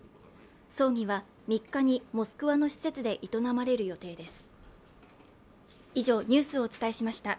葬儀は３日にモスクワの施設で営まれる予定です。